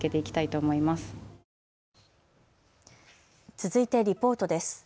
続いてリポートです。